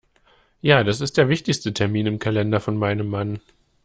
Ja, das ist der wichtigste Termin im Kalender von meinem Mann.